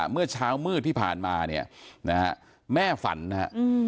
เมื่อเช้ามืดที่ผ่านมาเนี่ยนะฮะแม่ฝันนะฮะ